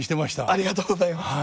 ありがとうございます。